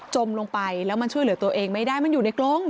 ลงไปแล้วมันช่วยเหลือตัวเองไม่ได้มันอยู่ในกรง